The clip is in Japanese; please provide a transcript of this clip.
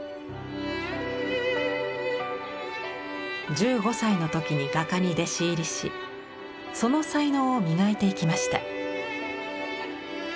１５歳の時に画家に弟子入りしその才能を磨いていきました。